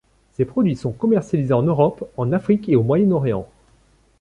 Ses produits sont commercialisés en Europe, en Afrique et au Moyen-Orient.